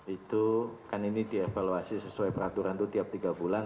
itu kan ini dievaluasi sesuai peraturan itu tiap tiga bulan